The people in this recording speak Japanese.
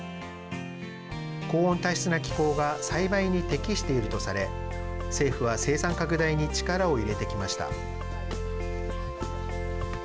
高温多湿な気候が栽培に適しているとされ政府は生産拡大に力を入れてきました。